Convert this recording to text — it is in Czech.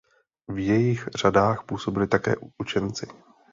V jejich řadách působili také učenci.